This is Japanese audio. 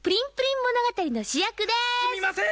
すみません。